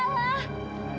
fadil kan nggak salah